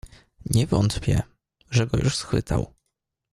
"Nie wątpię, że go już schwytał."